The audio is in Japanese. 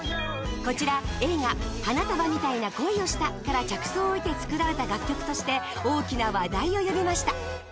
映画花束みたいな恋をしたから着想を得て作られた楽曲として大きな話題を呼びました。